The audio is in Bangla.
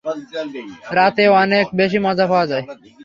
রাতে অনেক বেশি মজা পাওয়া যায়।